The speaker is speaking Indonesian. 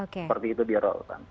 seperti itu di rorotan